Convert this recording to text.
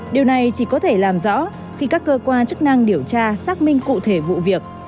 điều này chỉ có thể làm rõ khi các cơ quan chức năng điều tra xác minh cụ thể vụ việc